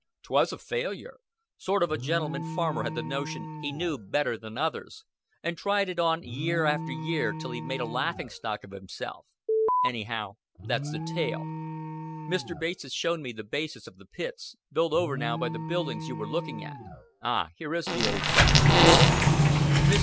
"'Twas a failure. Sort of a gentleman farmer had the notion he knew better than others, and tried it on year after year till he made a laughing stock of himself. Anyhow, that's the tale. Mr. Bates has shown me the basis of the pits built over now by the buildings you were looking at. Ah, here is the old fellow." Mr.